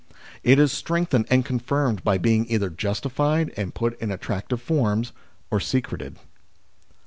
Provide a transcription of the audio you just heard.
It is strengthened and confirmed, by being either justified and put in attractive forms, or secreted.